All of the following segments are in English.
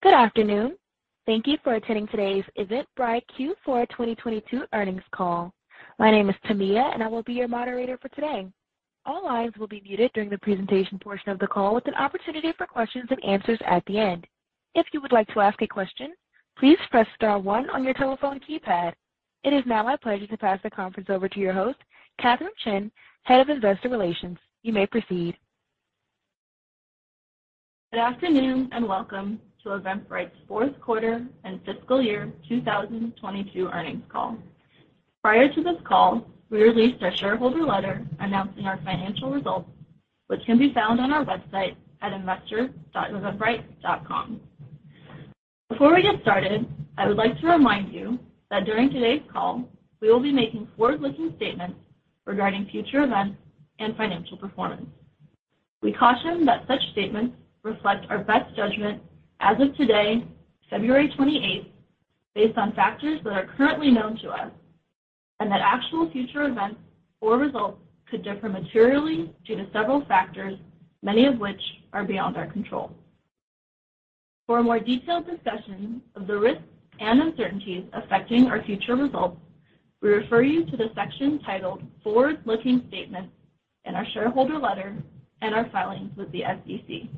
Good afternoon. Thank you for attending today's Eventbrite Q4 2022 earnings call. My name is Tamia, and I will be your moderator for today. All lines will be muted during the presentation portion of the call with an opportunity for questions and answers at the end. If you would like to ask a question, please press star one on your telephone keypad. It is now my pleasure to pass the conference over to your host, Katherine Chen, Head of Investor Relations. You may proceed. Good afternoon, welcome to Eventbrite's fourth quarter and fiscal year 2022 earnings call. Prior to this call, we released our shareholder letter announcing our financial results, which can be found on our website at investor.eventbrite.com. Before we get started, I would like to remind you that during today's call, we will be making forward-looking statements regarding future events and financial performance. We caution that such statements reflect our best judgment as of today, February 28th, based on factors that are currently known to us, and that actual future events or results could differ materially due to several factors, many of which are beyond our control. For a more detailed discussion of the risks and uncertainties affecting our future results, we refer you to the section titled Forward-Looking Statements in our shareholder letter and our filings with the SEC.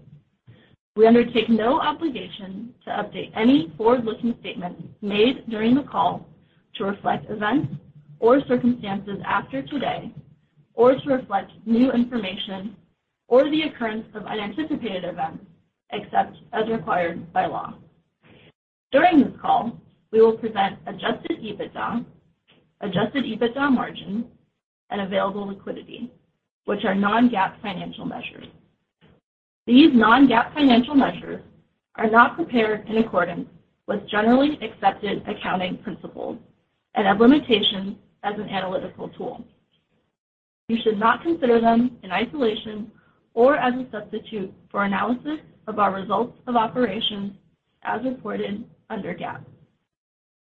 We undertake no obligation to update any forward-looking statements made during the call to reflect events or circumstances after today, or to reflect new information or the occurrence of unanticipated events, except as required by law. During this call, we will present Adjusted EBITDA, Adjusted EBITDA margin, and available liquidity, which are non-GAAP financial measures. These non-GAAP financial measures are not prepared in accordance with generally accepted accounting principles and have limitations as an analytical tool. You should not consider them in isolation or as a substitute for analysis of our results of operations as reported under GAAP.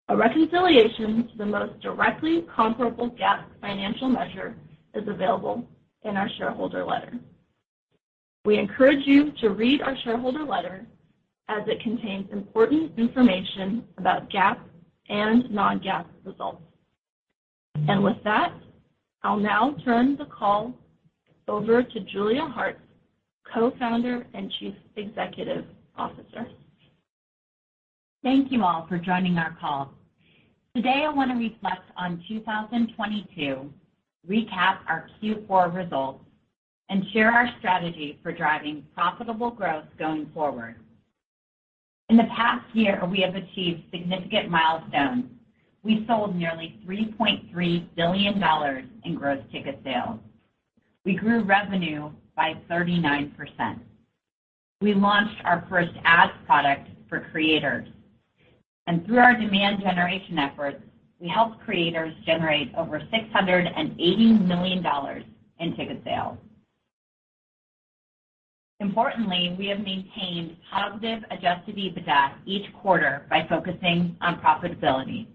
A reconciliation to the most directly comparable GAAP financial measure is available in our shareholder letter. We encourage you to read our shareholder letter as it contains important information about GAAP and non-GAAP results. With that, I'll now turn the call over to Julia Hartz, Co-founder and Chief Executive Officer. Thank you all for joining our call. Today, I want to reflect on 2022, recap our Q4 results, and share our strategy for driving profitable growth going forward. In the past year, we have achieved significant milestones. We sold nearly $3.3 billion in gross ticket sales. We grew revenue by 39%. We launched our first ad product for creators. Through our demand generation efforts, we helped creators generate over $680 million in ticket sales. Importantly, we have maintained positive Adjusted EBITDA each quarter by focusing on profitability.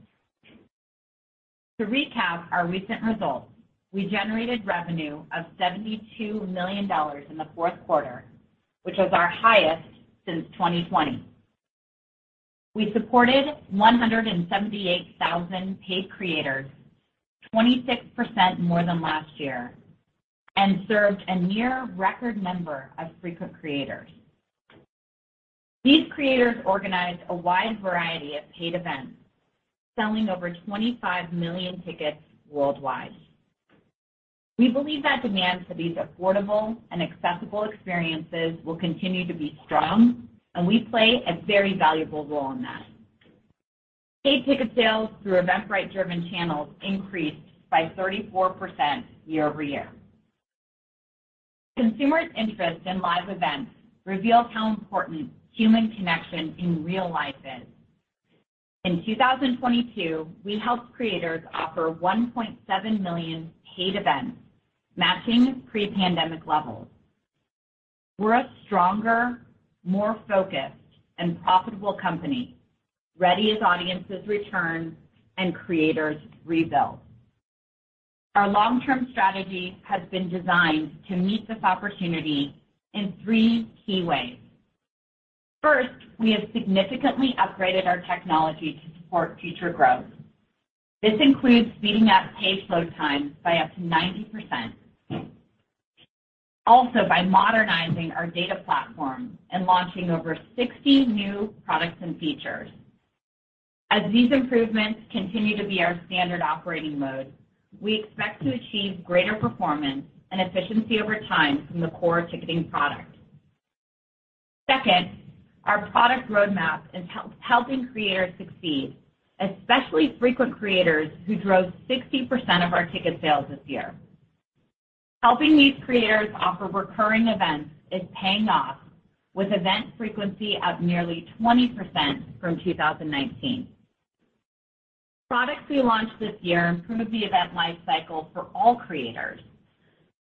To recap our recent results, we generated revenue of $72 million in the fourth quarter, which was our highest since 2020. We supported 178,000 paid creators, 26% more than last year, and served a near record number of frequent creators. These creators organized a wide variety of paid events, selling over 25 million tickets worldwide. We believe that demand for these affordable and accessible experiences will continue to be strong, and we play a very valuable role in that. Paid ticket sales through Eventbrite-driven channels increased by 34% year-over-year. Consumers' interest in live events reveals how important human connection in real life is. In 2022, we helped creators offer 1.7 million paid events, matching pre-pandemic levels. We're a stronger, more focused, and profitable company, ready as audiences return and creators rebuild. Our long-term strategy has been designed to meet this opportunity in three key ways. First, we have significantly upgraded our technology to support future growth. This includes speeding up page load time by up to 90%. Also, by modernizing our data platform and launching over 60 new products and features. As these improvements continue to be our standard operating mode, we expect to achieve greater performance and efficiency over time from the core ticketing product. Second, our product roadmap is helping creators succeed, especially frequent creators who drove 60% of our ticket sales this year. Helping these creators offer recurring events is paying off with event frequency up nearly 20% from 2019. Products we launched this year improved the event life cycle for all creators.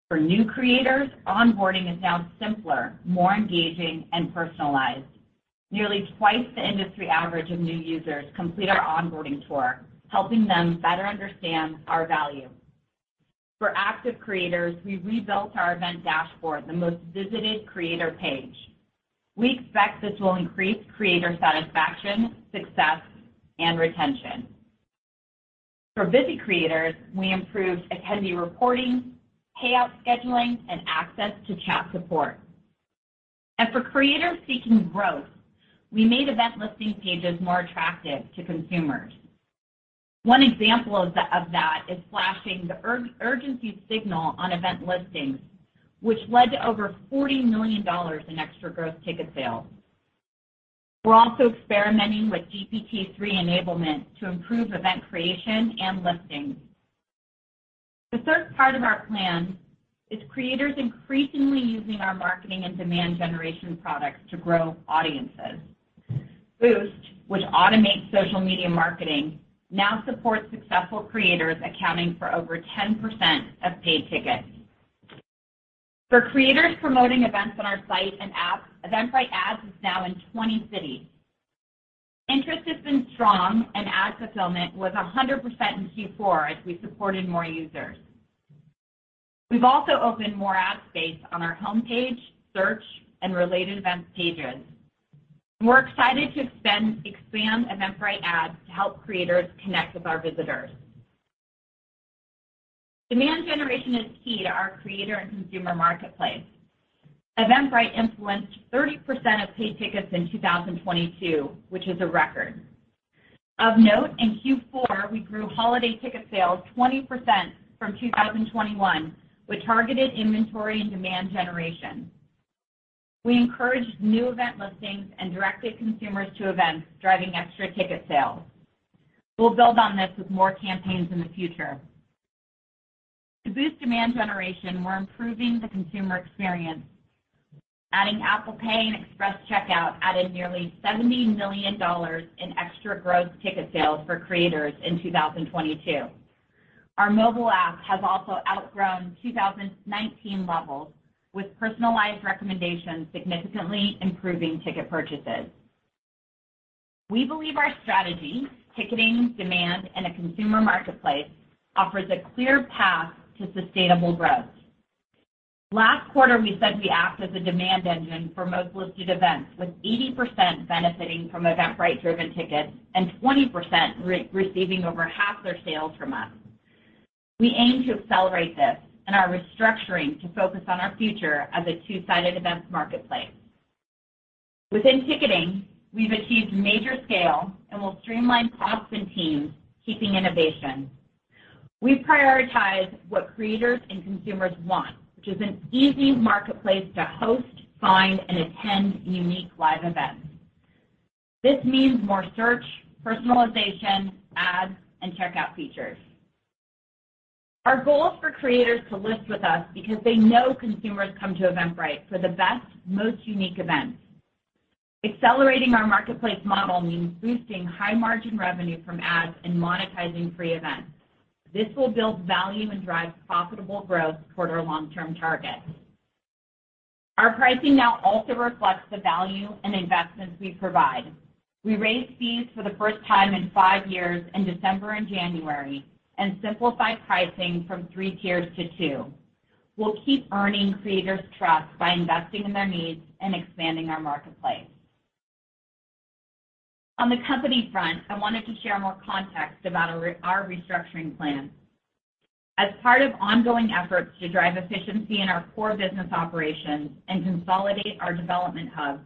For new creators, onboarding is now simpler, more engaging, and personalized. Nearly twice the industry average of new users complete our onboarding tour, helping them better understand our value. For active creators, we've rebuilt our event dashboard, the most visited creator page. We expect this will increase creator satisfaction, success, and retention. For busy creators, we improved attendee reporting, payout scheduling, and access to chat support. For creators seeking growth, we made event listing pages more attractive to consumers. One example of that is flashing the urgency signal on event listings, which led to over $40 million in extra gross ticket sales. We're also experimenting with GPT-3 enablement to improve event creation and listings. The third part of our plan is creators increasingly using our marketing and demand generation products to grow audiences. Boost, which automates social media marketing, now supports successful creators accounting for over 10% of paid tickets. For creators promoting events on our site and app, Eventbrite Ads is now in 20 cities. Interest has been strong and ad fulfillment was 100% in Q4 as we supported more users. We've also opened more ad space on our homepage, search, and related events pages. We're excited to expand Eventbrite Ads to help creators connect with our visitors. Demand generation is key to our creator and consumer marketplace. Eventbrite influenced 30% of paid tickets in 2022, which is a record. Of note, in Q4, we grew holiday ticket sales 20% from 2021 with targeted inventory and demand generation. We encouraged new event listings and directed consumers to events, driving extra ticket sales. We'll build on this with more campaigns in the future. To boost demand generation, we're improving the consumer experience. Adding Apple Pay and Express Checkout added nearly $70 million in extra gross ticket sales for creators in 2022. Our mobile app has also outgrown 2019 levels, with personalized recommendations significantly improving ticket purchases. We believe our strategy, ticketing, demand, and a consumer marketplace offers a clear path to sustainable growth. Last quarter, we said we act as a demand engine for most listed events, with 80% benefiting from Eventbrite-driven tickets and 20% re-receiving over half their sales from us. We aim to accelerate this and are restructuring to focus on our future as a two-sided events marketplace. Within ticketing, we've achieved major scale and will streamline costs and teams keeping innovation. We prioritize what creators and consumers want, which is an easy marketplace to host, find, and attend unique live events. This means more search, personalization, ads, and checkout features. Our goal is for creators to list with us because they know consumers come to Eventbrite for the best, most unique events. Accelerating our marketplace model means boosting high-margin revenue from ads and monetizing free events. This will build value and drive profitable growth toward our long-term targets. Our pricing now also reflects the value and investments we provide. We raised fees for the first time in five years in December and January and simplified pricing from three tiers to two. We'll keep earning creators' trust by investing in their needs and expanding our marketplace. On the company front, I wanted to share more context about our restructuring plan. As part of ongoing efforts to drive efficiency in our core business operations and consolidate our development hubs,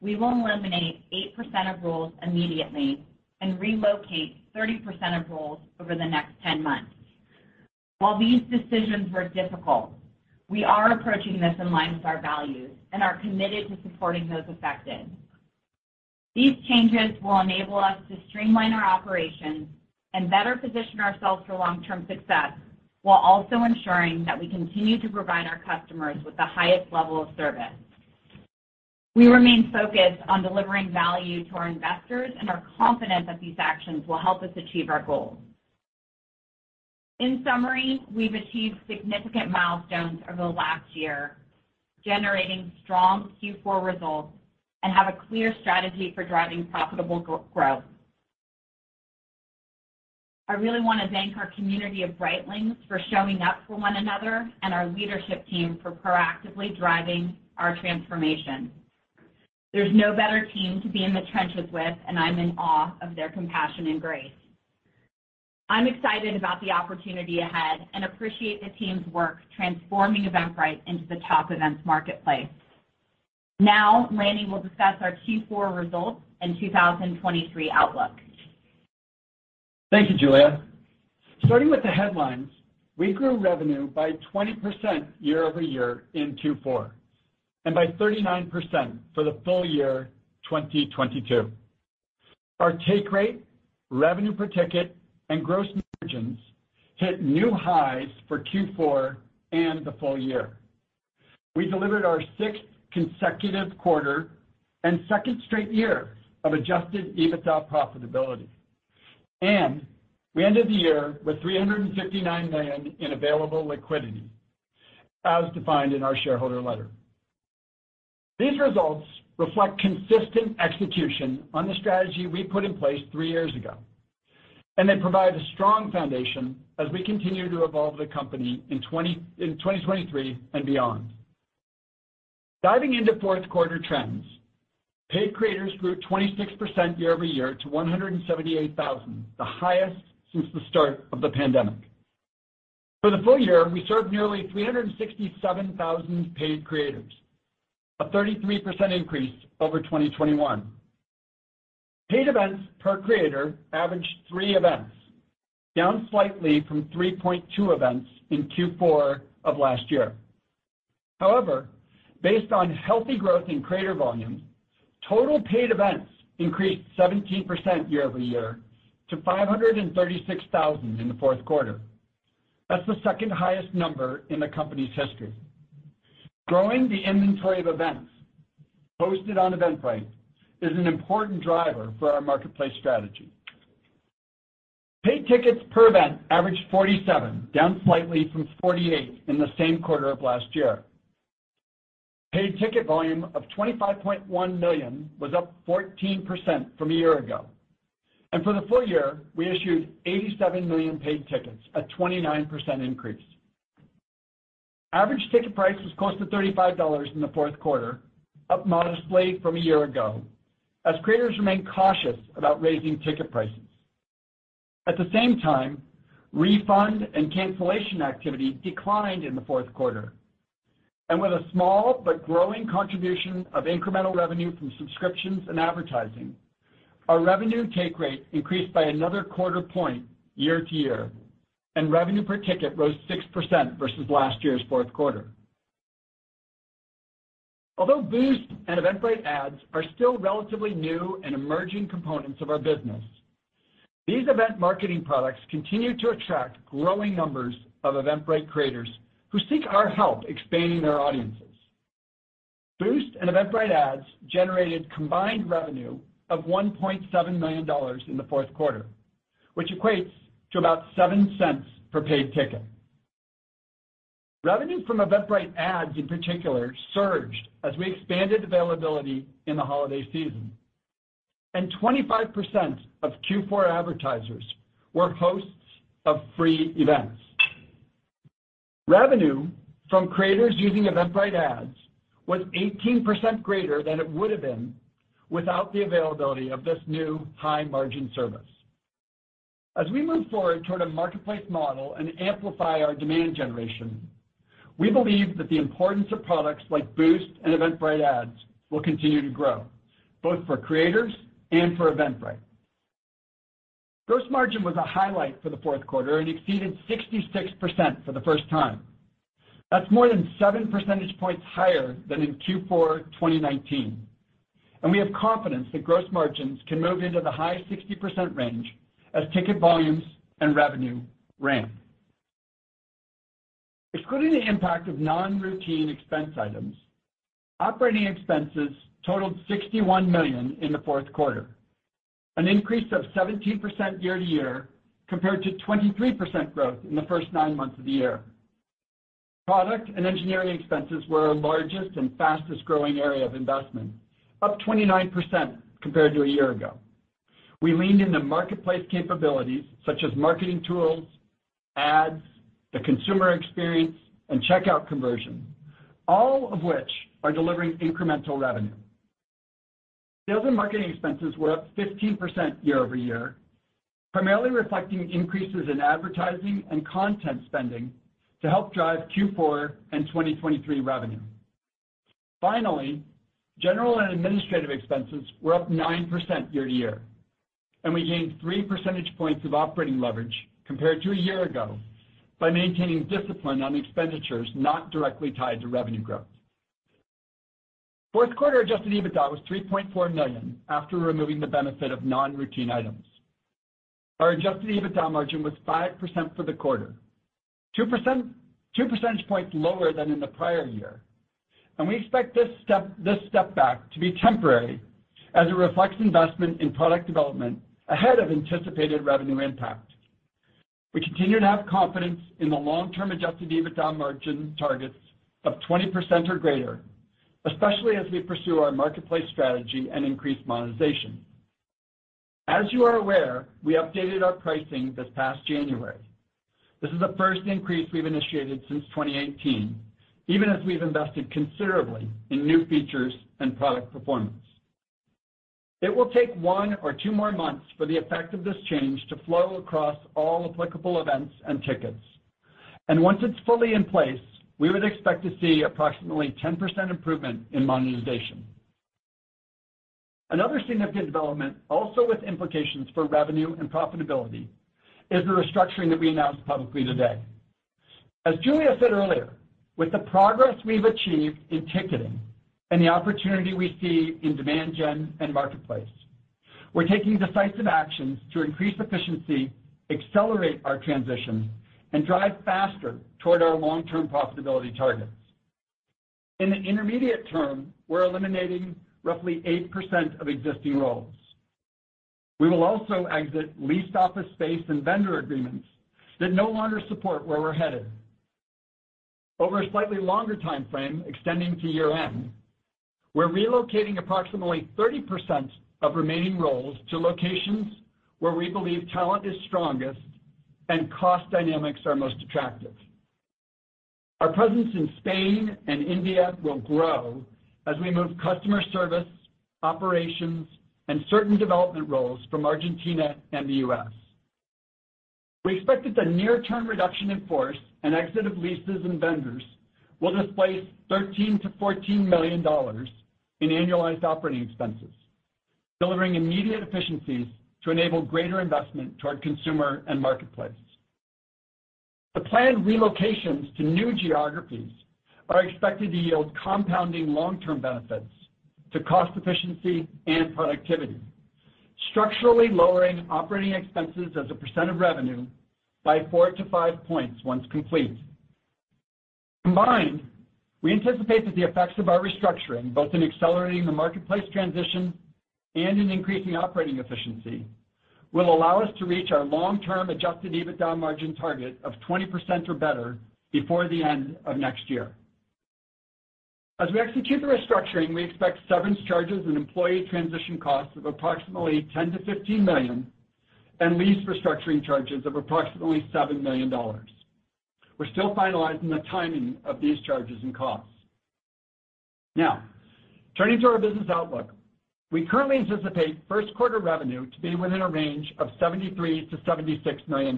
we will eliminate 8% of roles immediately and relocate 30% of roles over the next 10 months. While these decisions were difficult, we are approaching this in line with our values and are committed to supporting those affected. These changes will enable us to streamline our operations and better position ourselves for long-term success while also ensuring that we continue to provide our customers with the highest level of service. We remain focused on delivering value to our investors and are confident that these actions will help us achieve our goals. In summary, we've achieved significant milestones over the last year, generating strong Q4 results, and have a clear strategy for driving profitable growth. I really want to thank our community of Britelings for showing up for one another and our leadership team for proactively driving our transformation. There's no better team to be in the trenches with, and I'm in awe of their compassion and grace. I'm excited about the opportunity ahead and appreciate the team's work transforming Eventbrite into the top events marketplace. Lanny will discuss our Q4 results and 2023 outlook. Thank you, Julia. Starting with the headlines, we grew revenue by 20% year-over-year in Q4, and by 39% for the full year 2022. Our take rate, revenue per ticket, and gross margins hit new highs for Q4 and the full year. We delivered our sixth consecutive quarter and second straight year of Adjusted EBITDA profitability. We ended the year with $359 million in available liquidity, as defined in our shareholder letter. These results reflect consistent execution on the strategy we put in place three years ago, and they provide a strong foundation as we continue to evolve the company in 2023 and beyond. Diving into fourth-quarter trends, paid creators grew 26% year-over-year to 178,000, the highest since the start of the pandemic. For the full year, we served nearly 367,000 paid creators, a 33% increase over 2021. Paid events per creator averaged three events, down slightly from 3.2 events in Q4 of last year. Based on healthy growth in creator volume, total paid events increased 17% year-over-year to 536,000 in the fourth quarter. That's the second-highest number in the company's history. Growing the inventory of events posted on Eventbrite is an important driver for our marketplace strategy. Paid tickets per event averaged 47, down slightly from 48 in the same quarter of last year. Paid ticket volume of 25.1 million was up 14% from a year ago. For the full year, we issued 87 million paid tickets, a 29% increase. Average ticket price was close to $35 in the fourth quarter, up modestly from a year ago, as creators remained cautious about raising ticket prices. At the same time, refund and cancellation activity declined in the fourth quarter. With a small but growing contribution of incremental revenue from subscriptions and advertising, our revenue take rate increased by another quarter point year-over-year, and revenue per ticket rose 6% versus last year's fourth quarter. Although Boost and Eventbrite Ads are still relatively new and emerging components of our business, these event marketing products continue to attract growing numbers of Eventbrite creators who seek our help expanding their audiences. Boost and Eventbrite Ads generated combined revenue of $1.7 million in the fourth quarter, which equates to about $0.07 per paid ticket. Revenue from Eventbrite Ads in particular surged as we expanded availability in the holiday season, 25% of Q4 advertisers were hosts of free events. Revenue from creators using Eventbrite Ads was 18% greater than it would have been without the availability of this new high-margin service. As we move forward toward a marketplace model and amplify our demand generation, we believe that the importance of products like Boost and Eventbrite Ads will continue to grow, both for creators and for Eventbrite. Gross margin was a highlight for the fourth quarter and exceeded 66% for the first time. That's more than seven percentage points higher than in Q4 2019. We have confidence that gross margins can move into the high 60% range as ticket volumes and revenue ramp. Excluding the impact of non-routine expense items, operating expenses totaled $61 million in the fourth quarter, an increase of 17% year-to-year compared to 23% growth in the first nine months of the year. Product and engineering expenses were our largest and fastest-growing area of investment, up 29% compared to a year ago. We leaned into marketplace capabilities such as marketing tools, ads, the consumer experience, and checkout conversion, all of which are delivering incremental revenue. Sales and marketing expenses were up 15% year-over-year, primarily reflecting increases in advertising and content spending to help drive Q4 and 2023 revenue. Finally, general and administrative expenses were up 9% year-to-year, and we gained three percentage points of operating leverage compared to a year ago by maintaining discipline on expenditures not directly tied to revenue growth. Fourth quarter Adjusted EBITDA was $3.4 million after removing the benefit of non-routine items. Our Adjusted EBITDA margin was 5% for the quarter, two percentage points lower than in the prior year. We expect this step back to be temporary as it reflects investment in product development ahead of anticipated revenue impact. We continue to have confidence in the long-term Adjusted EBITDA margin targets of 20% or greater, especially as we pursue our marketplace strategy and increase monetization. As you are aware, we updated our pricing this past January. This is the first increase we've initiated since 2018, even as we've invested considerably in new features and product performance. It will take one or two more months for the effect of this change to flow across all applicable events and tickets. Once it's fully in place, we would expect to see approximately 10% improvement in monetization. Another significant development, also with implications for revenue and profitability, is the restructuring that we announced publicly today. As Julia said earlier, with the progress we've achieved in ticketing and the opportunity we see in demand gen and marketplace, we're taking decisive actions to increase efficiency, accelerate our transition, and drive faster toward our long-term profitability targets. In the intermediate term, we're eliminating roughly 8% of existing roles. We will also exit leased office space and vendor agreements that no longer support where we're headed. Over a slightly longer time frame extending to year-end, we're relocating approximately 30% of remaining roles to locations where we believe talent is strongest and cost dynamics are most attractive. Our presence in Spain and India will grow as we move customer service, operations, and certain development roles from Argentina and the U.S. We expect that the near-term reduction in force and exit of leases and vendors will displace $13-14 million in annualized operating expenses, delivering immediate efficiencies to enable greater investment toward consumer and marketplace. The planned relocations to new geographies are expected to yield compounding long-term benefits to cost efficiency and productivity, structurally lowering operating expenses as a percent of revenue by four to fivepoints once complete. Combined, we anticipate that the effects of our restructuring, both in accelerating the marketplace transition and in increasing operating efficiency, will allow us to reach our long-term adjusted EBITDA margin target of 20% or better before the end of next year. As we execute the restructuring, we expect severance charges and employee transition costs of approximately $10 million-$15 million and lease restructuring charges of approximately $7 million. We're still finalizing the timing of these charges and costs. Turning to our business outlook. We currently anticipate first quarter revenue to be within a range of $73 million-$76 million.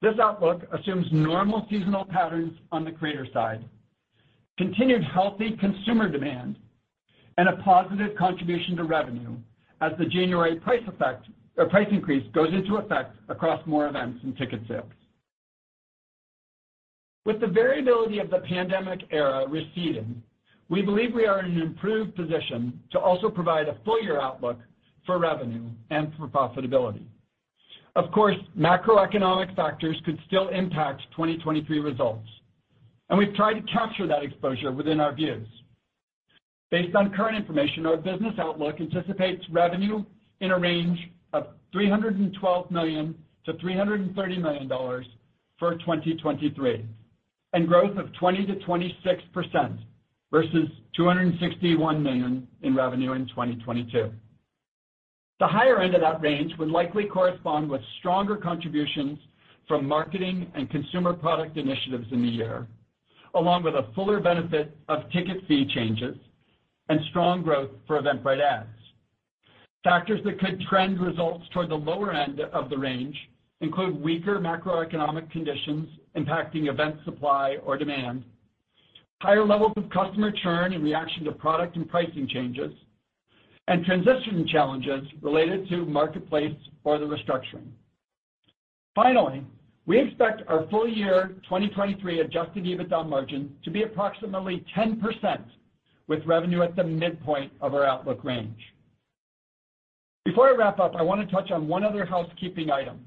This outlook assumes normal seasonal patterns on the creator side, continued healthy consumer demand, and a positive contribution to revenue as the January price effect or price increase goes into effect across more events and ticket sales. With the variability of the pandemic era receding, we believe we are in an improved position to also provide a full-year outlook for revenue and for profitability. Macroeconomic factors could still impact 2023 results, and we've tried to capture that exposure within our views. Based on current information, our business outlook anticipates revenue in a range of $312 million to $330 million for 2023, and growth of 20%-26% versus $261 million in revenue in 2022. The higher end of that range would likely correspond with stronger contributions from marketing and consumer product initiatives in the year, along with a fuller benefit of ticket fee changes and strong growth for Eventbrite Ads. Factors that could trend results toward the lower end of the range include weaker macroeconomic conditions impacting event supply or demand, higher levels of customer churn in reaction to product and pricing changes, and transition challenges related to marketplace or the restructuring. Finally, we expect our full year 2023 Adjusted EBITDA margin to be approximately 10%, with revenue at the midpoint of our outlook range. Before I wrap up, I wanna touch on one other housekeeping item.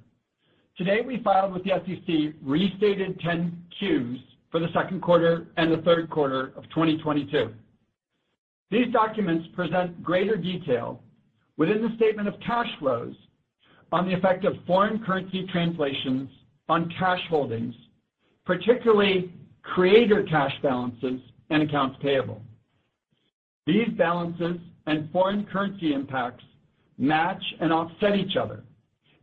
Today, we filed with the SEC restated 10-Qs for the second quarter and the third quarter of 2022. These documents present greater detail within the statement of cash flows on the effect of foreign currency translations on cash holdings, particularly creator cash balances and accounts payable. These balances and foreign currency impacts match and offset each other.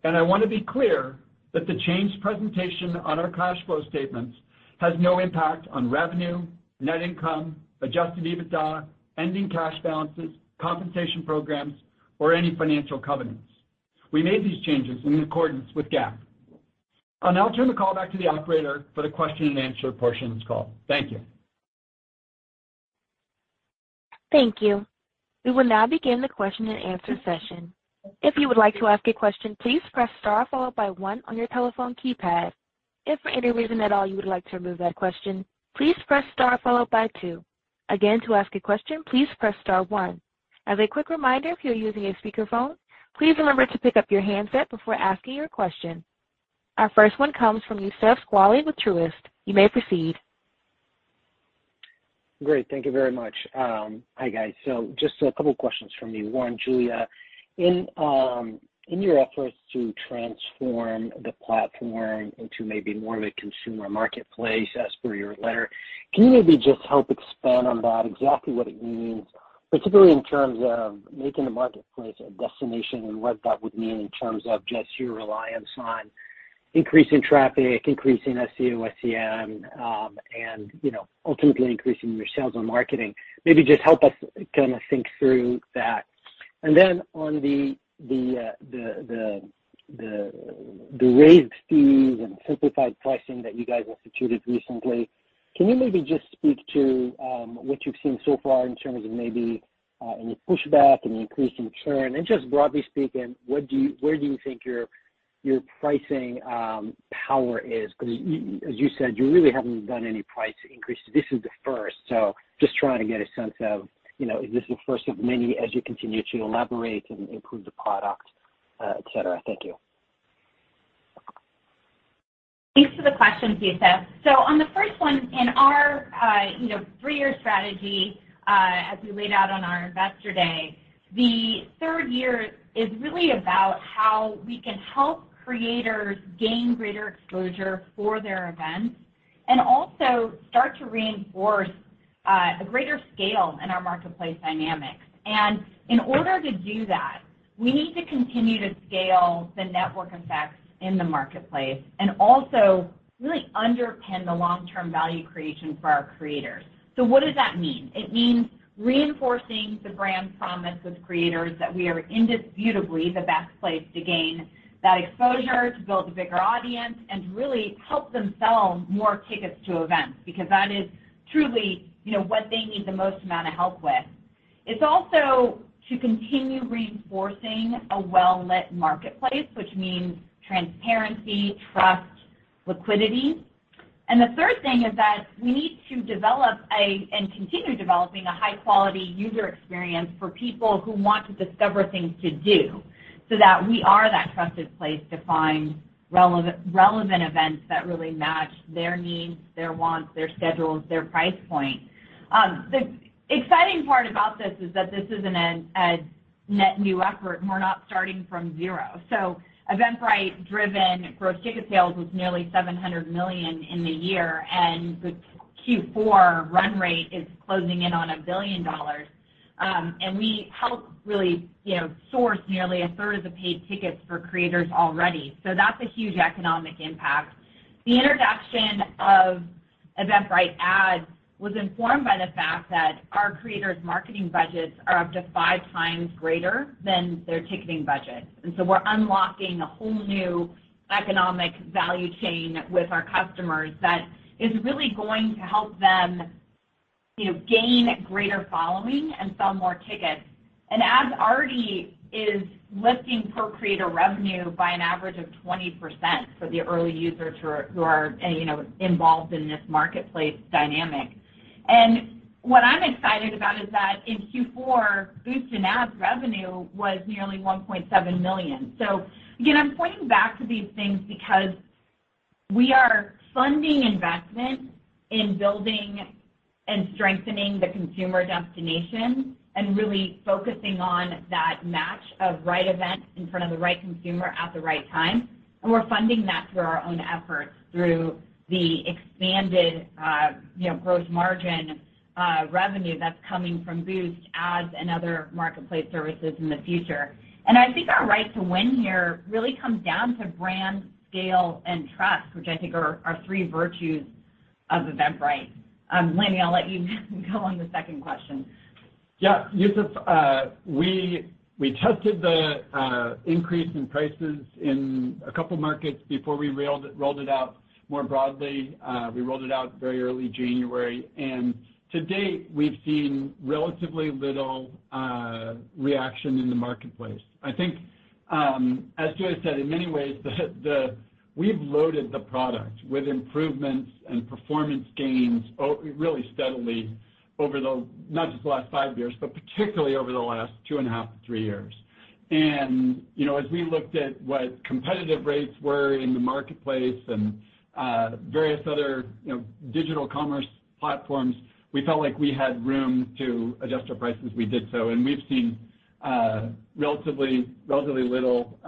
I want to be clear that the changed presentation on our cash flow statements has no impact on revenue, net income, Adjusted EBITDA, ending cash balances, compensation programs, or any financial covenants. We made these changes in accordance with GAAP. I'll now turn the call back to the operator for the question and answer portion of this call. Thank you. Thank you. We will now begin the question and answer session. If you would like to ask a question, please press star followed by one on your telephone keypad. If for any reason at all you would like to remove that question, please press star followed by two. Again, to ask a question, please press star one. As a quick reminder, if you're using a speakerphone, please remember to pick up your handset before asking your question. Our first one comes from Youssef Squali with Truist. You may proceed. Great. Thank you very much. Hi, guys. Just a couple questions from me. One, Julia, in your efforts to transform the platform into maybe more of a consumer marketplace as per your letter, can you maybe just help expand on that, exactly what it means, particularly in terms of making the marketplace a destination and what that would mean in terms of just your reliance on increasing traffic, increasing SEO, SEM, and, you know, ultimately increasing your sales on marketing. Maybe just help us kinda think through that. And then on the raised fees and simplified pricing that you guys instituted recently, can you maybe just speak to what you've seen so far in terms of maybe any pushback, any increase in churn? Just broadly speaking, where do you think your pricing power is? 'Cause as you said, you really haven't done any price increases. This is the first. Just trying to get a sense of, you know, is this the first of many as you continue to elaborate and improve the product, etc. Thank you. Thanks for the question, Youssef. On the first one, in our, you know, three-year strategy, as we laid out on our investor day, the third year is really about how we can help creators gain greater exposure for their events and also start to reinforce, a greater scale in our marketplace dynamics. In order to do that, we need to continue to scale the network effects in the marketplace and also really underpin the long-term value creation for our creators. What does that mean? It means reinforcing the brand promise with creators that we are indisputably the best place to gain that exposure, to build a bigger audience, and to really help them sell more tickets to events, because that is truly, you know, what they need the most amount of help with. It's also to continue reinforcing a well-lit marketplace, which means transparency, trust, liquidity. The third thing is that we need to develop and continue developing a high-quality user experience for people who want to discover things to do, so that we are that trusted place to find relevant events that really match their needs, their wants, their schedules, their price point. The exciting part about this is that this isn't a net new effort, and we're not starting from zero. Eventbrite-driven gross ticket sales was nearly $700 million in the year, and the Q4 run rate is closing in on $1 billion. We help really, you know, source nearly a third of the paid tickets for creators already. That's a huge economic impact. The introduction of Eventbrite Ads was informed by the fact that our creators' marketing budgets are up to 5x greater than their ticketing budget. We're unlocking a whole new economic value chain with our customers that is really going to help them, you know, gain greater following and sell more tickets. Ads already is lifting pro creator revenue by an average of 20% for the early users who are, you know, involved in this marketplace dynamic. What I'm excited about is that in Q4, Boost and Ads revenue was nearly $1.7 million. Again, I'm pointing back to these things because we are funding investment in building and strengthening the consumer destination and really focusing on that match of right event in front of the right consumer at the right time. We're funding that through our own efforts, through the expanded, you know, gross margin, revenue that's coming from Boost, Ads, and other marketplace services in the future. I think our right to win here really comes down to brand, scale, and trust, which I think are three virtues of Eventbrite. Lenny, I'll let you go on the second question. Yeah. Youssef, we tested the increase in prices in a couple markets before we rolled it out more broadly. We rolled it out very early January, to date, we've seen relatively little reaction in the marketplace. I think, as Julia said, in many ways we've loaded the product with improvements and performance gains really steadily over the, not just the last five years, but particularly over the last two and a half to three years. You know, as we looked at what competitive rates were in the marketplace and various other, you know, digital commerce platforms, we felt like we had room to adjust our prices. We did so, we've seen relatively little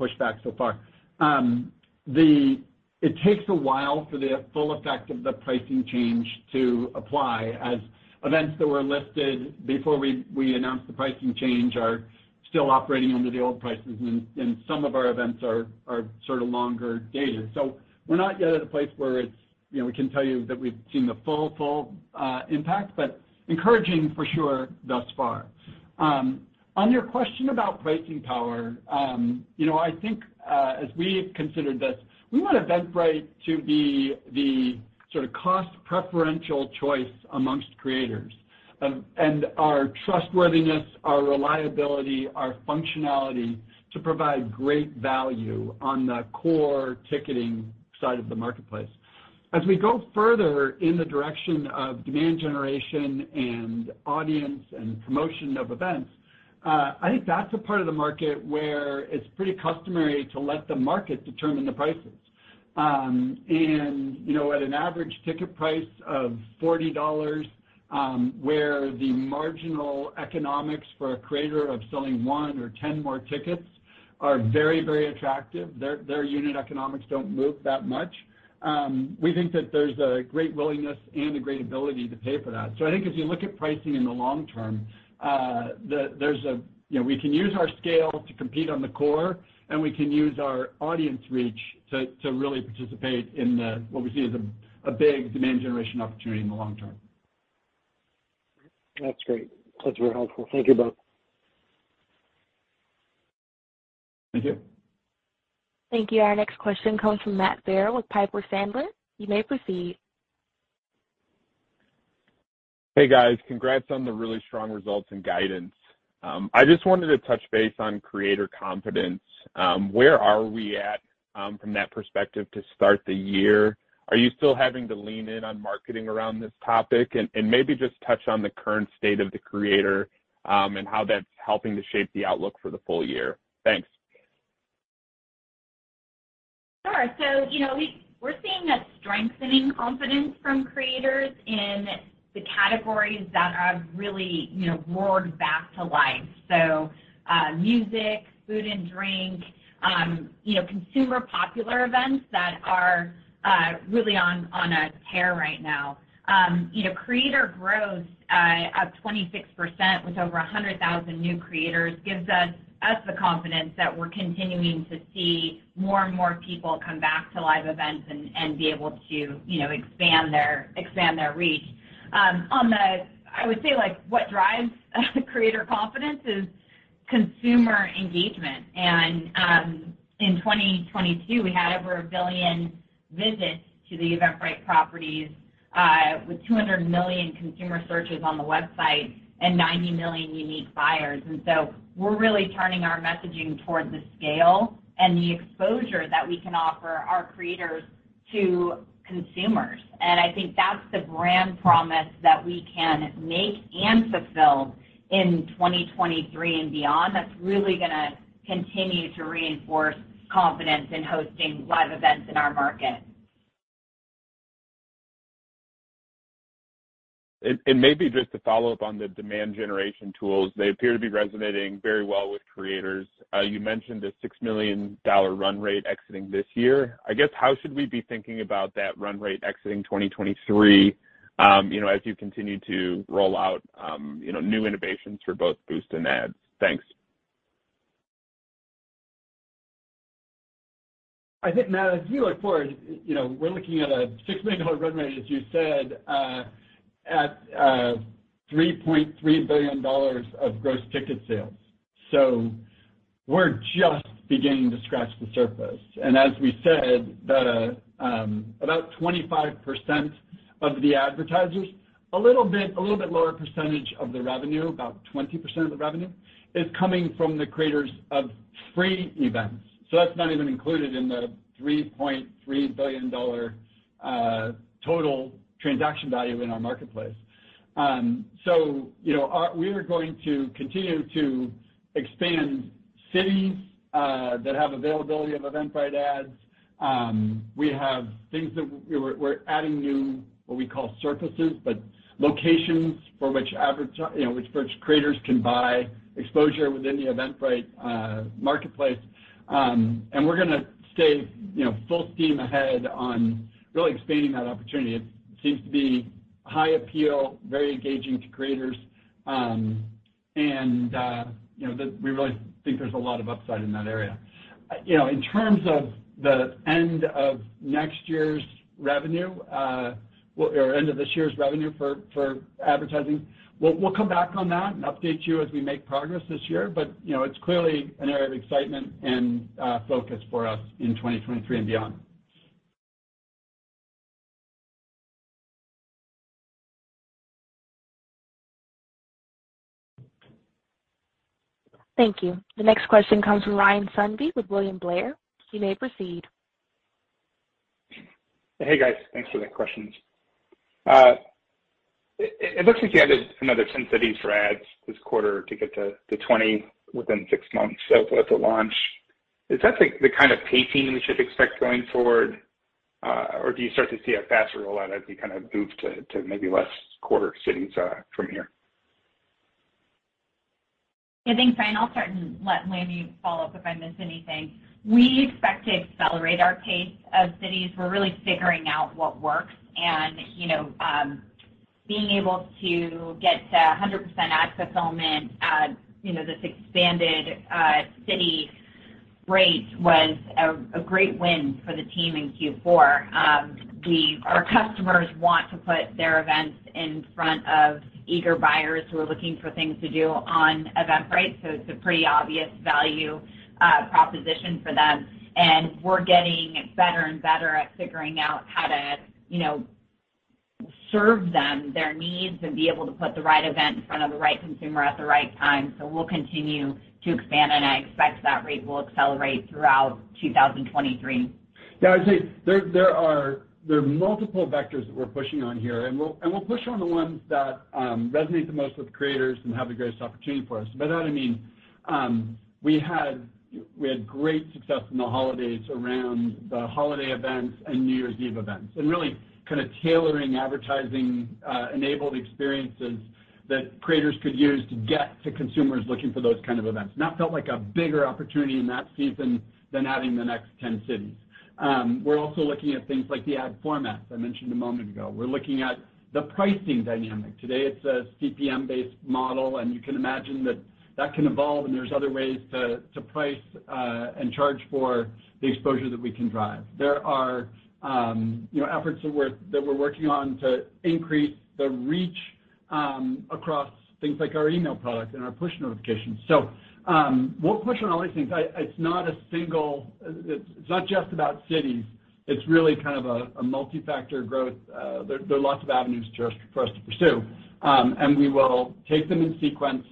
pushback so far. It takes a while for the full effect of the pricing change to apply, as events that were listed before we announced the pricing change are still operating under the old prices, and some of our events are sort of longer dated. We're not yet at a place where it's, you know, we can tell you that we've seen the full impact, but encouraging for sure thus far. On your question about pricing power, you know, I think as we have considered this, we want Eventbrite to be the sort of cost preferential choice amongst creators. Our trustworthiness, our reliability, our functionality to provide great value on the core ticketing side of the marketplace. As we go further in the direction of demand generation and audience and promotion of events, I think that's a part of the market where it's pretty customary to let the market determine the prices. And, you know, at an average ticket price of $40, where the marginal economics for a creator of selling one or 10 more tickets are very, very attractive, their unit economics don't move that much, we think that there's a great willingness and a great ability to pay for that. I think if you look at pricing in the long term, there's a... You know, we can use our scale to compete on the core, and we can use our audience reach to really participate in the, what we see as a big demand generation opportunity in the long term. That's great. That's very helpful. Thank you both. Thank you. Thank you. Our next question comes from Matt Farrell with Piper Sandler. You may proceed. Hey, guys. Congrats on the really strong results and guidance. I just wanted to touch base on creator confidence. Where are we at from that perspective to start the year? Are you still having to lean in on marketing around this topic? Maybe just touch on the current state of the creator, and how that's helping to shape the outlook for the full year. Thanks. Sure. You know, we're seeing a strengthening confidence from creators in the categories that have really, you know, roared back to life. Music, food and drink, you know, consumer popular events that are really on a tear right now. You know, creator growth, up 26% with over 100,000 new creators gives us the confidence that we're continuing to see more and more people come back to live events and be able to, you know, expand their reach. I would say, like, what drives creator confidence is consumer engagement. In 2022, we had over 1 billion visits to the Eventbrite properties, with 200 million consumer searches on the website and 90 million unique buyers. We're really turning our messaging towards the scale and the exposure that we can offer our creators to consumers. I think that's the brand promise that we can make and fulfill in 2023 and beyond. That's really gonna continue to reinforce confidence in hosting live events in our market. Maybe just to follow up on the demand generation tools, they appear to be resonating very well with creators. You mentioned a $6 million run rate exiting this year. I guess, how should we be thinking about that run rate exiting 2023, you know, as you continue to roll out, you know, new innovations for both Boost and Ads? Thanks. I think, Matt, as you reported, you know, we're looking at a $6 million run rate, as you said, at $3.3 billion of gross ticket sales. We're just beginning to scratch the surface. As we said, the about 25% of the advertisers, a little bit lower percentage of the revenue, about 20% of the revenue, is coming from the creators of free events. That's not even included in the $3.3 billion total transaction value in our marketplace. You know, we are going to continue to expand cities that have availability of Eventbrite Ads. We have things that we're adding new, what we call surfaces, but locations for which, you know, which creators can buy exposure within the Eventbrite marketplace. We're gonna stay, you know, full steam ahead on really expanding that opportunity. It seems to be high appeal, very engaging to creators. You know, we really think there's a lot of upside in that area. You know, in terms of the end of next year's revenue, or end of this year's revenue for advertising, we'll come back on that and update you as we make progress this year. You know, it's clearly an area of excitement and focus for us in 2023 and beyond. Thank you. The next question comes from Ryan Sundby with William Blair. You may proceed. Hey, guys. Thanks for the questions. It looks like you added another 10 cities for Eventbrite Ads this quarter to get to 20 within six months. With the launch, is that the kind of pacing we should expect going forward, or do you start to see a faster rollout as we kind of move to maybe less quarter cities from here? Thanks, Ryan. I'll start and let Lanny follow up if I miss anything. We expect to accelerate our pace of cities. We're really figuring out what works and, you know, being able to get to 100% ad fulfillment at, you know, this expanded city rate was a great win for the team in Q4. Our customers want to put their events in front of eager buyers who are looking for things to do on Eventbrite, so it's a pretty obvious value proposition for them. We're getting better and better at figuring out how to, you know, serve them their needs and be able to put the right event in front of the right consumer at the right time. We'll continue to expand, and I expect that rate will accelerate throughout 2023. I'd say there are multiple vectors that we're pushing on here, and we'll push on the ones that resonate the most with creators and have the greatest opportunity for us. By that, I mean, we had great success in the holidays around the holiday events and New Year's Eve events and really kind of tailoring advertising enabled experiences that creators could use to get to consumers looking for those kind of events. That felt like a bigger opportunity in that season than adding the next 10 cities. We're also looking at things like the ad formats I mentioned a moment ago. We're looking at the pricing dynamic. Today, it's a CPM-based model, and you can imagine that that can evolve, and there's other ways to price and charge for the exposure that we can drive. There are, you know, efforts that we're, that we're working on to increase the reach, across things like our email product and our push notifications. We'll push on all these things. It's not just about cities. It's really kind of a multi-factor growth. There, there are lots of avenues to, for us to pursue. We will take them in sequence,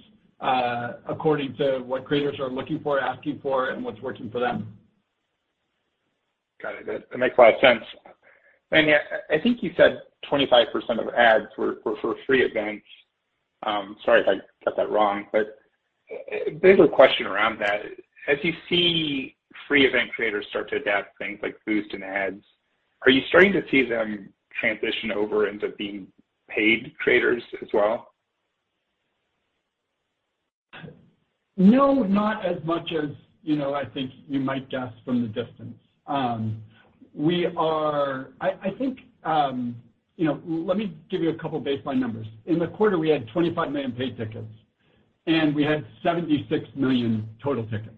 according to what creators are looking for, asking for, and what's working for them. Got it. That makes a lot of sense. Lanny, I think you said 25% of Ads were for free events. Sorry if I got that wrong. Bigger question around that. As you see free event creators start to adapt things like Boost and Ads, are you starting to see them transition over into being paid creators as well? No, not as much as, you know, I think you might guess from the distance. I think, you know, let me give you a couple baseline numbers. In the quarter, we had 25 million paid tickets, and we had 76 million total tickets.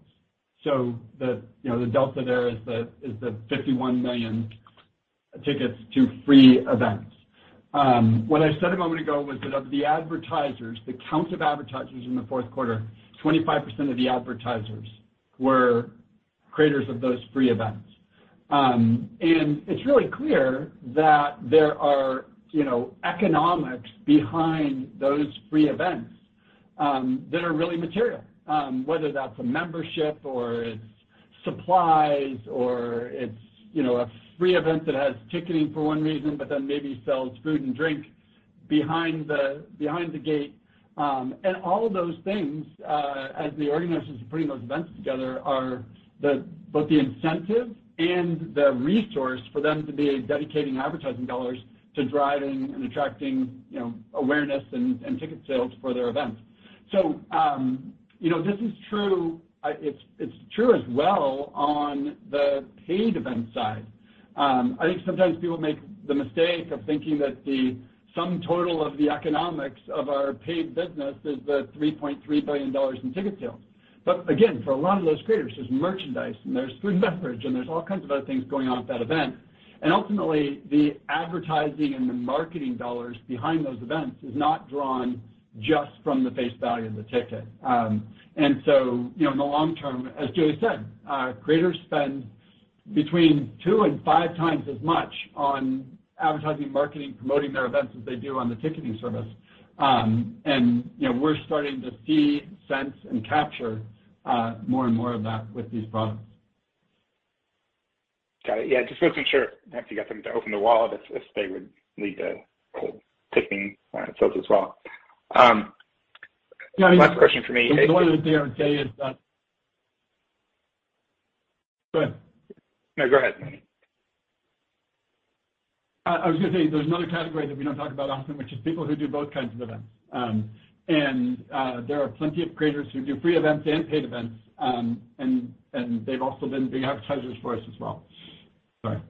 The, you know, the delta there is the 51 million tickets to free events. What I said a moment ago was that of the advertisers, the count of advertisers in the fourth quarter, 25% of the advertisers were creators of those free events. It's really clear that there are, you know, economics behind those free events that are really material, whether that's a membership or it's supplies or it's, you know, a free event that has ticketing for one reason, but then maybe sells food and drink behind the, behind the gate. All of those things, as the organizers are putting those events together are the, both the incentive and the resource for them to be dedicating advertising dollars to driving and attracting, you know, awareness and ticket sales for their events. You know, this is true, it's true as well on the paid event side. I think sometimes people make the mistake of thinking that the sum total of the economics of our paid business is the $3.3 billion in ticket sales. Again, for a lot of those creators, there's merchandise and there's food and beverage, and there's all kinds of other things going on at that event. Ultimately, the advertising and the marketing dollars behind those events is not drawn just from the face value of the ticket. You know, in the long term, as Julia said, creators spend between two and 5x as much on advertising, marketing, promoting their events as they do on the ticketing service. You know, we're starting to see, sense, and capture, more and more of that with these products. Got it. Yeah, just wasn't sure if you got them to open the wallet if they would lead to ticketing sales as well. Last question for me. The only other thing I would say is that. Go ahead. No, go ahead. I was gonna say, there's another category that we don't talk about often, which is people who do both kinds of events. There are plenty of creators who do free events and paid events. They've also been big advertisers for us as well. Go ahead.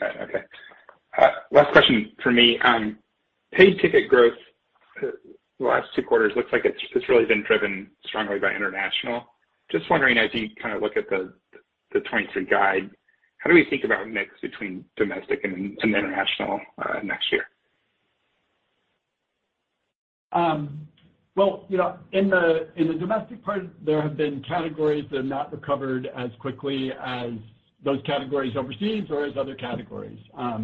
Got it. Okay. Last question for me. Paid ticket growth the last two quarters looks like it's really been driven strongly by international. Just wondering, as you kinda look at the 2023 guide, how do we think about mix between domestic and international next year? Well, you know, in the, in the domestic part, there have been categories that have not recovered as quickly as those categories overseas or as other categories. As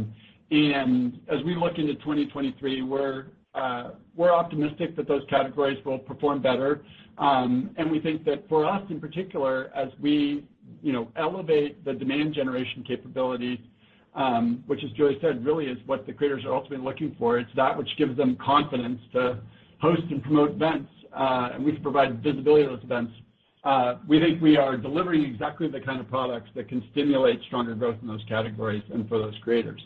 we look into 2023, we're optimistic that those categories will perform better. We think that for us, in particular, as we, you know, elevate the demand generation capabilities, which as Julia said, really is what the creators are ultimately looking for. It's that which gives them confidence to host and promote events, and we can provide visibility to those events. We think we are delivering exactly the kind of products that can stimulate stronger growth in those categories and for those creators.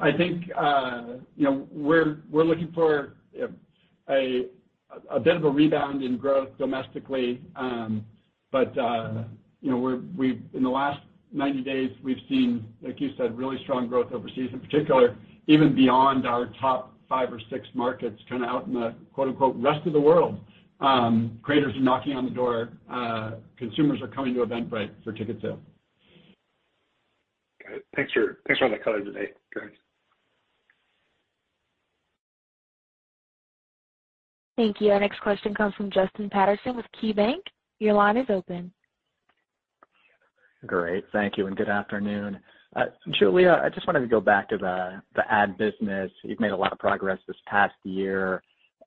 I think, you know, we're looking for a bit of a rebound in growth domestically. You know, we've in the last 90 days, we've seen, like you said, really strong growth overseas in particular, even beyond our top five or six markets, kinda out in the quote-unquote, "Rest of the world." Creators are knocking on the door. Consumers are coming to Eventbrite for ticket sale. Got it. Thanks for all the color today. Thanks. Thank you. Our next question comes from Justin Patterson with KeyBanc. Your line is open. Great. Thank you and good afternoon. Julia, I just wanted to go back to the ad business. You've made a lot of progress this past year.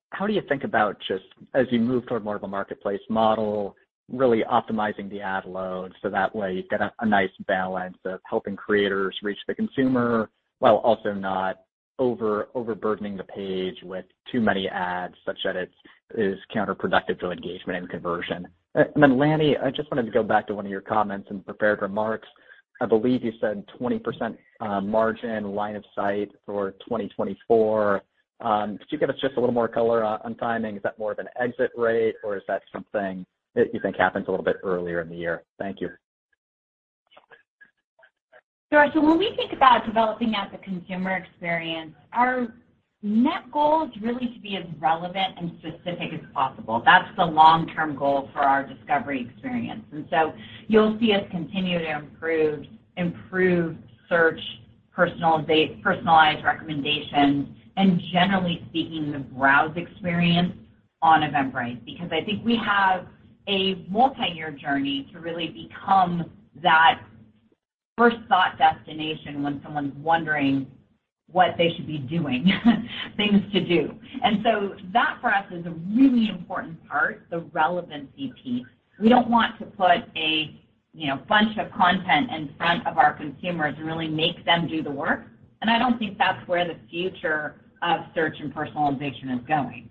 How do you think about just as you move toward more of a marketplace model, really optimizing the ad load so that way you've got a nice balance of helping creators reach the consumer while also not overburdening the page with too many ads such that it is counterproductive to engagement and conversion? Lanny, I just wanted to go back to one of your comments in prepared remarks. I believe you said 20% margin line of sight for 2024. Could you give us just a little more color on timing? Is that more of an exit rate, or is that something that you think happens a little bit earlier in the year? Thank you. Sure. When we think about developing out the consumer experience, our net goal is really to be as relevant and specific as possible. That's the long-term goal for our discovery experience. You'll see us continue to improve search, personalized recommendations, and generally speaking, the browse experience on Eventbrite. I think we have a multi-year journey to really become that first-thought destination when someone's wondering What they should be doing, things to do. So that for us is a really important part, the relevancy piece. We don't want to put a, you know, bunch of content in front of our consumers and really make them do the work, and I don't think that's where the future of search and personalization is going.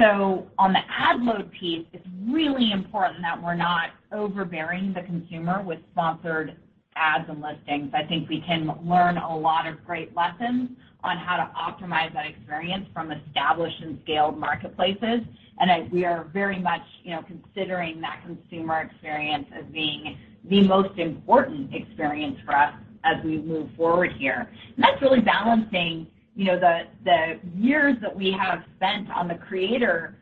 So on the ad load piece, it's really important that we're not overbearing the consumer with sponsored ads and listings. I think we can learn a lot of great lessons on how to optimize that experience from established and scaled marketplaces. I, we are very much, you know, considering that consumer experience as being the most important experience for us as we move forward here. That's really balancing, you know, the years that we have spent on the creator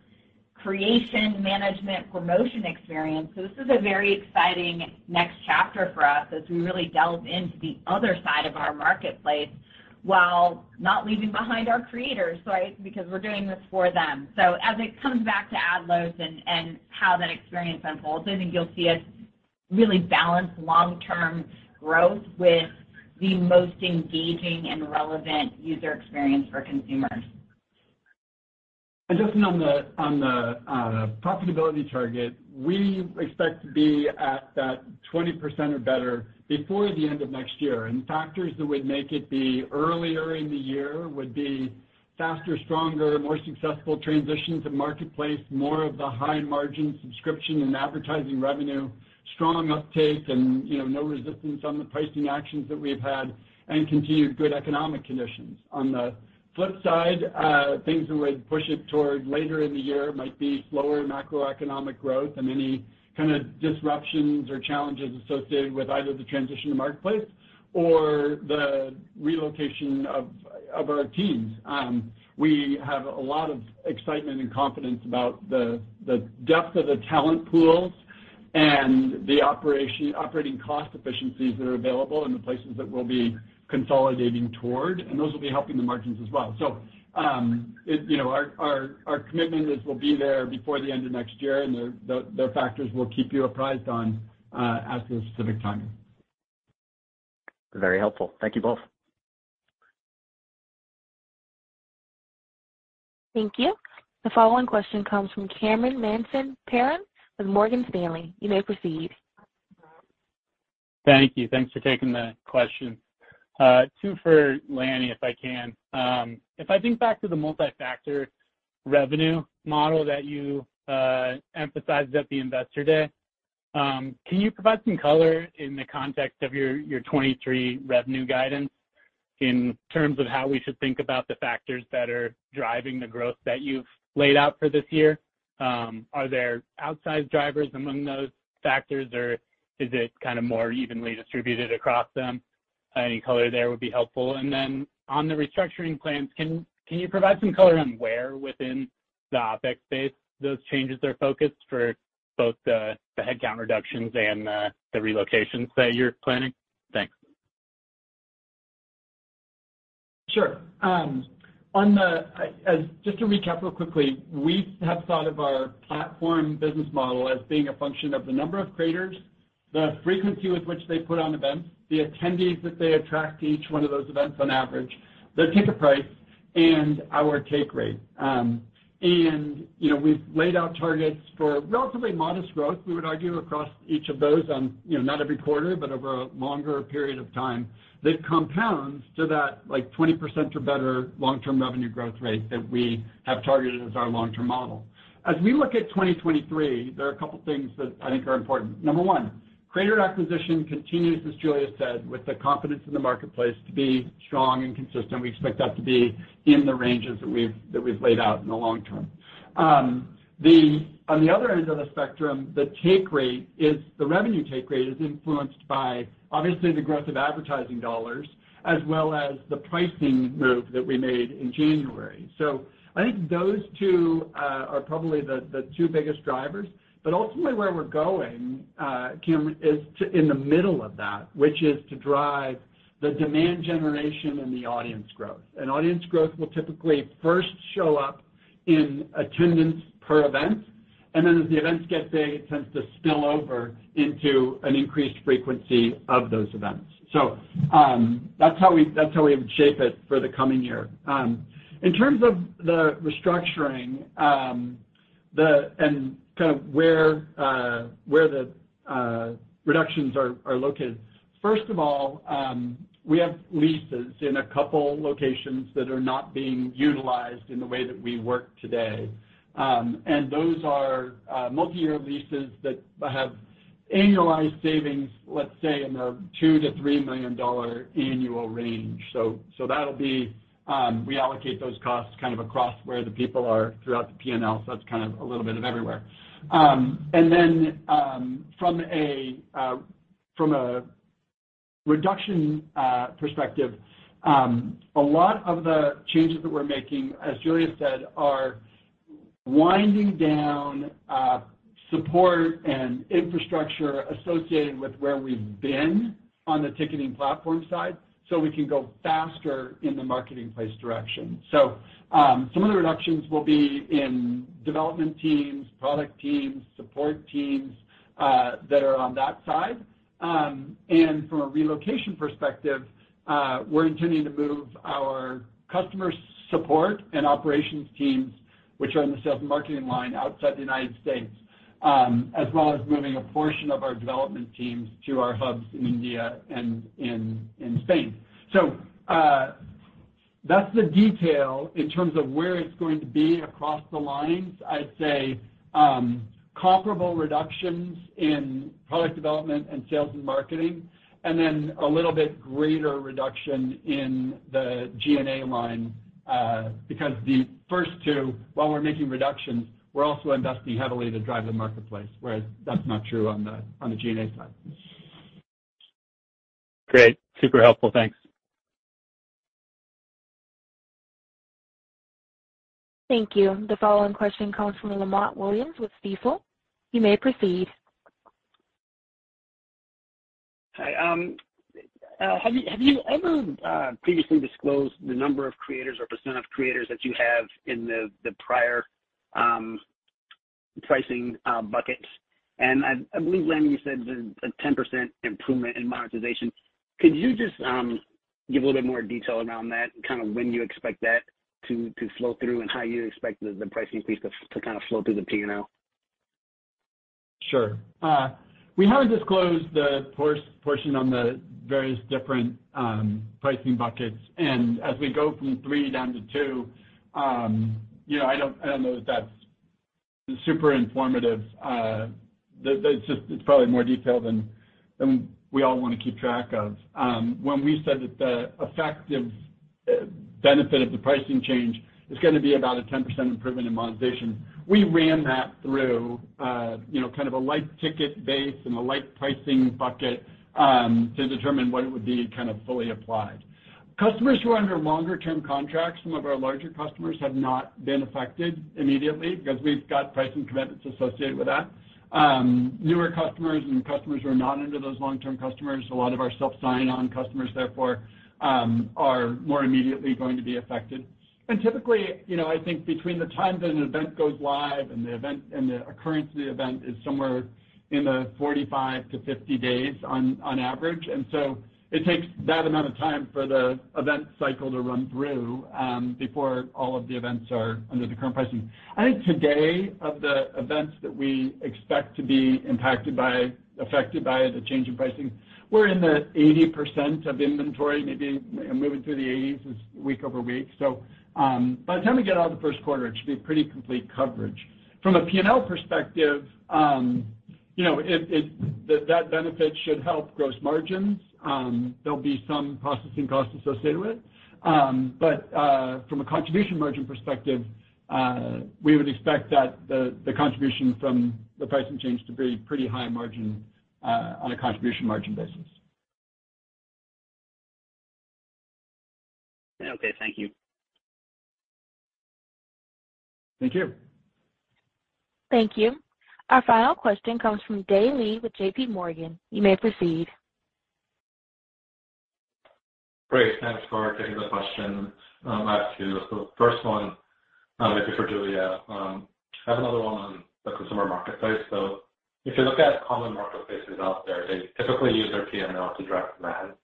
creation management promotion experience. This is a very exciting next chapter for us as we really delve into the other side of our marketplace while not leaving behind our creators, right? Because we're doing this for them. As it comes back to ad loads and how that experience unfolds, I think you'll see us really balance long-term growth with the most engaging and relevant user experience for consumers. Justin, on the profitability target, we expect to be at that 20% or better before the end of next year. Factors that would make it be earlier in the year would be faster, stronger, more successful transition to marketplace, more of the high margin subscription and advertising revenue, strong uptake and, you know, no resistance on the pricing actions that we have had and continued good economic conditions. On the flip side, things that would push it toward later in the year might be slower macroeconomic growth and any kinda disruptions or challenges associated with either the transition to marketplace or the relocation of our teams. We have a lot of excitement and confidence about the depth of the talent pools and the operating cost efficiencies that are available in the places that we'll be consolidating toward, and those will be helping the margins as well. You know, our, our commitment is we'll be there before the end of next year, and they're, the factors we'll keep you apprised on, as to the specific timing. Very helpful. Thank you both. Thank you. The following question comes from Cameron Mansson-Perrone with Morgan Stanley. You may proceed. Thank you. Thanks for taking the question. Two for Lanny, if I can. If I think back to the multi-factor revenue model that you emphasized at the Investor Day, can you provide some color in the context of your 2023 revenue guidance in terms of how we should think about the factors that are driving the growth that you've laid out for this year? Are there outsized drivers among those factors, or is it kinda more evenly distributed across them? Any color there would be helpful. Then on the restructuring plans, can you provide some color on where within the OpEx base those changes are focused for both the headcount reductions and the relocations that you're planning? Thanks. Sure. Just to recap real quickly, we have thought of our platform business model as being a function of the number of creators, the frequency with which they put on events, the attendees that they attract to each one of those events on average, the ticket price, and our take rate. You know, we've laid out targets for relatively modest growth, we would argue, across each of those on, you know, not every quarter but over a longer period of time that compounds to that, like, 20% or better long-term revenue growth rate that we have targeted as our long-term model. As we look at 2023, there are a couple things that I think are important. Number one, creator acquisition continues, as Julia said, with the confidence in the marketplace to be strong and consistent. We expect that to be in the ranges that we've laid out in the long term. On the other end of the spectrum, the revenue take rate is influenced by, obviously, the growth of advertising dollars as well as the pricing move that we made in January. I think those two are probably the two biggest drivers. Ultimately where we're going, Cameron, is in the middle of that, which is to drive the demand generation and the audience growth. Audience growth will typically first show up in attendance per event, and then as the events get big, it tends to spill over into an increased frequency of those events. That's how we would shape it for the coming year. In terms of the restructuring, and kind of where the reductions are located, first of all, we have leases in a couple locations that are not being utilized in the way that we work today. And those are multiyear leases that have annualized savings, let's say, in the $2-3 million annual range. That'll be reallocate those costs kind of across where the people are throughout the P&L. That's kind of a little bit of everywhere. And then from a reduction perspective, a lot of the changes that we're making, as Julia said, are winding down support and infrastructure associated with where we've been on the ticketing platform side. We can go faster in the marketplace direction. Some of the reductions will be in development teams, product teams, support teams that are on that side. From a relocation perspective, we're continuing to move our customer support and operations teams, which are in the sales and marketing line outside the United States, as well as moving a portion of our development teams to our hubs in India and in Spain. That's the detail in terms of where it's going to be across the lines. I'd say comparable reductions in product development and sales and marketing, and then a little bit greater reduction in the G&A line because the first two, while we're making reductions, we're also investing heavily to drive the marketplace, whereas that's not true on the G&A side. Great. Super helpful. Thanks. Thank you. The following question comes from Lamont Williams with Stifel. You may proceed. Hi. Have you ever previously disclosed the number of creators or percent of creators that you have in the prior pricing buckets? I believe, Lanny, you said there's a 10% improvement in monetization. Could you just give a little bit more detail around that, kind of when you expect that to flow through and how you expect the price increase to kind of flow through the P&L? Sure. We haven't disclosed the portion on the various different pricing buckets. As we go from three down to two, you know, I don't, I don't know that that's super informative. It's probably more detail than we all wanna keep track of. When we said that the effective benefit of the pricing change is gonna be about a 10% improvement in monetization, we ran that through, you know, kind of a light ticket base and a light pricing bucket, to determine what it would be kind of fully applied. Customers who are under longer term contracts, some of our larger customers, have not been affected immediately because we've got pricing commitments associated with that. Newer customers and customers who are not under those long-term customers, a lot of our self sign-on customers therefore, are more immediately going to be affected. Typically, you know, I think between the time that an event goes live and the event, and the occurrence of the event is somewhere in the 45 to 50 days on average. It takes that amount of time for the event cycle to run through, before all of the events are under the current pricing. I think today, of the events that we expect to be affected by the change in pricing, we're in the 80% of inventory, maybe moving through the 80s week over week. By the time we get out of the first quarter, it should be pretty complete coverage. From a P&L perspective, you know, that benefit should help gross margins. There'll be some processing costs associated with. From a contribution margin perspective, we would expect that the contribution from the pricing change to be pretty high margin on a contribution margin basis. Okay. Thank you. Thank you. Thank you. Our final question comes from Dae Lee with JPMorgan. You may proceed. Great. Thanks for taking the question. I have two. First one, maybe for Julia. I have another one on the consumer marketplace. If you look at common marketplaces out there, they typically use their P&L to drive demand.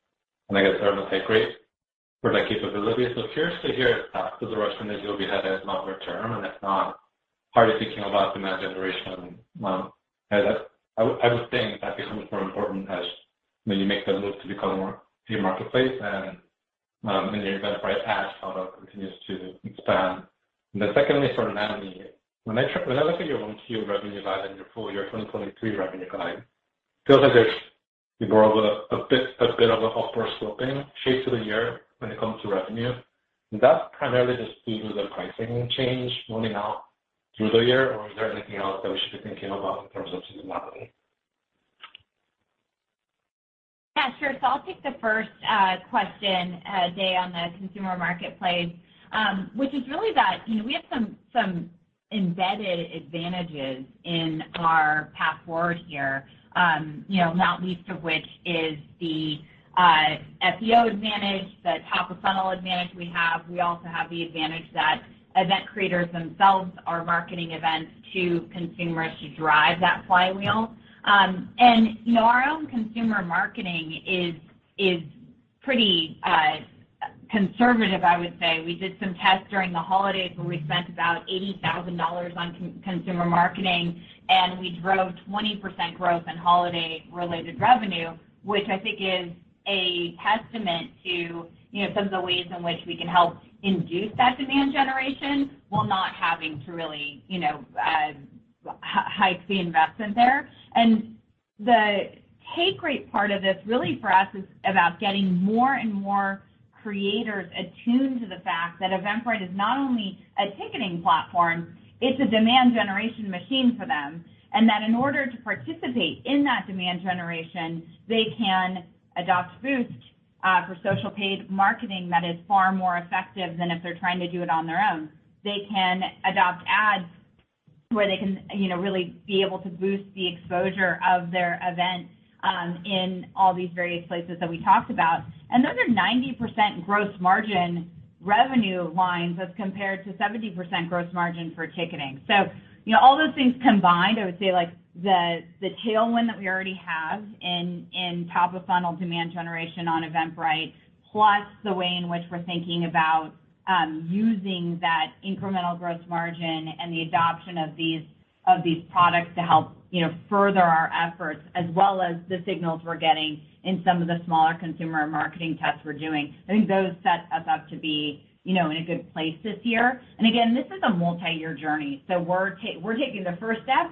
I guess they're on the take rate for that capability. Curious to hear, the direction that you'll be heading is longer term, and it's not hardly thinking about demand generation, as I would think that becomes more important as when you make the move to become more peer marketplace and in the Eventbrite as product continues to expand. Secondly, for Lanny, when I look at your 1Q revenue guide and your full year 2023 revenue guide, feels like you grow with a bit of an upward sloping shape to the year when it comes to revenue. Is that primarily just due to the pricing change rolling out through the year, or is there anything else that we should be thinking about in terms of seasonality? Yeah, sure. I'll take the first question, Dae, on the consumer marketplace. Which is really that, you know, we have some embedded advantages in our path forward here, you know, not least of which is the SEO advantage, the top of funnel advantage we have. We also have the advantage that event creators themselves are marketing events to consumers to drive that flywheel. You know, our own consumer marketing is pretty conservative, I would say. We did some tests during the holidays where we spent about $80,000 on consumer marketing, and we drove 20% growth in holiday-related revenue, which I think is a testament to, you know, some of the ways in which we can help induce that demand generation while not having to really, you know, hike the investment there. The take rate part of this really for us is about getting more and more creators attuned to the fact that Eventbrite is not only a ticketing platform, it's a demand generation machine for them. That in order to participate in that demand generation, they can adopt Boost for social paid marketing that is far more effective than if they're trying to do it on their own. They can adopt Ads where they can, you know, really be able to boost the exposure of their event in all these various places that we talked about. Those are 90% gross margin revenue lines as compared to 70% gross margin for ticketing. You know, all those things combined, I would say like the tailwind that we already have in top of funnel demand generation on Eventbrite, plus the way in which we're thinking about using that incremental gross margin and the adoption of these, of these products to help, you know, further our efforts, as well as the signals we're getting in some of the smaller consumer marketing tests we're doing, I think those set us up to be, you know, in a good place this year. Again, this is a multi-year journey. We're taking the first step,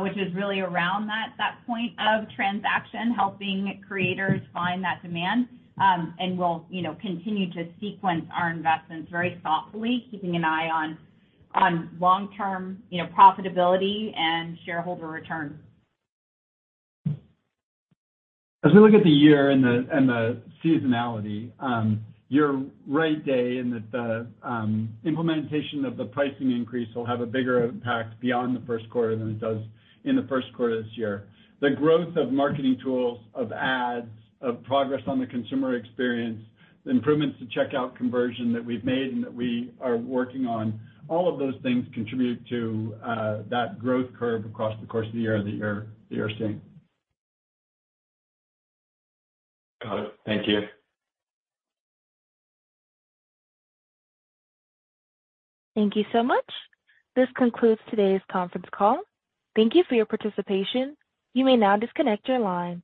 which is really around that point of transaction, helping creators find that demand. We'll, you know, continue to sequence our investments very thoughtfully, keeping an eye on long-term, you know, profitability and shareholder returns. As we look at the year and the, and the seasonality, you're right, Dae, in that the implementation of the pricing increase will have a bigger impact beyond the first quarter than it does in the first quarter of this year. The growth of marketing tools, of ads, of progress on the consumer experience, the improvements to checkout conversion that we've made and that we are working on, all of those things contribute to that growth curve across the course of the year that you're seeing. Got it. Thank you. Thank you so much. This concludes today's conference call. Thank you for your participation. You may now disconnect your line.